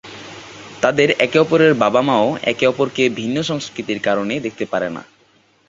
তাদের একে অপরের বাবা-মাও একে অপরকে ভিন্ন সংস্কৃতির কারণে দেখতে পারেনা।